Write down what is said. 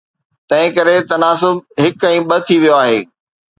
تنهن ڪري، تناسب هڪ ۽ ٻه ٿي ويو آهي.